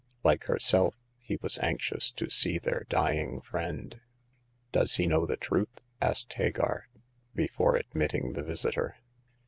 Like herself, he was anxious to see their dying friend. Does he know the truth?" asked Hagar, before admitting the visitor.